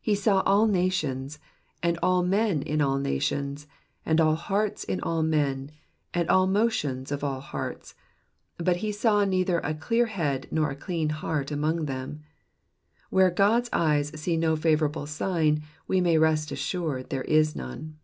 He saw all nations, and all men in all nations, and all hearts in all men, and all motions of all hearts, but he saw neither a clear head nor a clean heart among them all. Where God's eyes see no favourable sign we may rest assured there is none.